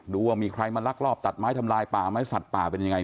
ดูว่ามีใครมาลักลอบตัดไม้ทำลายป่าไหมสัตว์ป่าเป็นยังไง